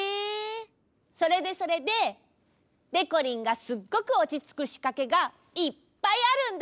それでそれででこりんがすっごくおちつくしかけがいっぱいあるんだ！